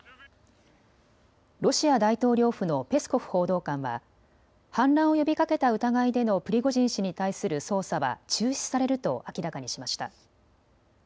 ロシア大統領府のペスコフ報道官は反乱を呼びかけた疑いでのプリゴジン氏に対する捜査は中止されると明らかにしました。